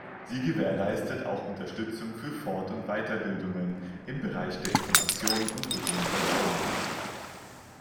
Sie gewährleistet auch Unterstützung für Fort- und Weiterbildungen im Bereich der Information und Dokumentation.